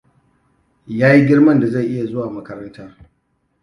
Ya yi girman da zai iya zuwa makaranta.